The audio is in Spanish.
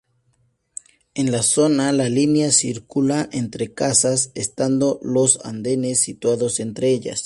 En la zona la línea circula entre casas, estando los andenes situados entre ellas.